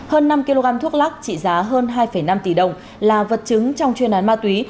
hơn năm kg thuốc lắc trị giá hơn hai năm tỷ đồng là vật chứng trong chuyên án ma túy